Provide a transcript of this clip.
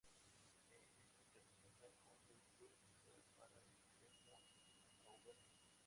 Es internacional con Les Blues y juega para el Clermont Auvergne.